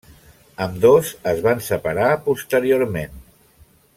Ambdós es van separar posteriorment.